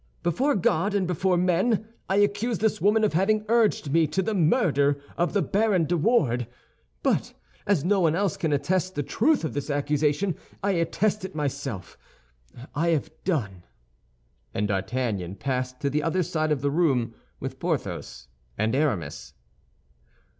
"Before God and before men, I accuse this woman of having urged me to the murder of the Baron de Wardes; but as no one else can attest the truth of this accusation, I attest it myself. I have done." And D'Artagnan passed to the other side of the room with Porthos and Aramis.